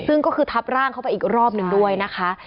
ซึ่งก็คือทับร่างเข้าไปอีกรอบหนึ่งด้วยนะคะ